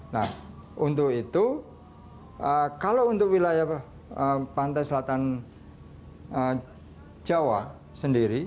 nah untuk itu kalau untuk wilayah pantai selatan jawa sendiri